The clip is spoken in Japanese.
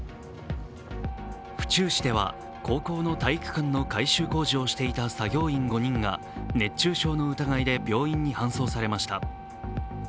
府中市では、高校の体育館の改修工事をしていた作業員５人が熱中症の疑いで病院に搬送されました。